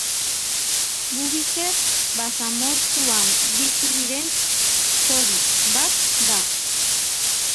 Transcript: Horrenbestez, lehen postua izango dute jokoan azken jardunaldian.